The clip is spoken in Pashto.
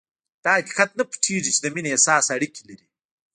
دا حقيقت نه پټېږي چې د مينې احساس اړيکې لري.